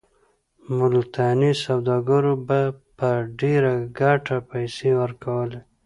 ملتاني سوداګرو به په ډېره ګټه پیسې ورکولې.